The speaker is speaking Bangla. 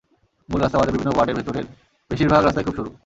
মূল রাস্তা বাদে বিভিন্ন ওয়ার্ডের ভেতরের বেশির ভাগ রাস্তাই খুব সরু।